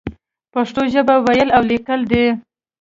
پښتو ژبه ويل او ليکل دې.